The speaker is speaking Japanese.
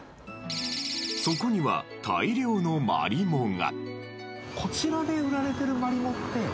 そこには大量のマリモが。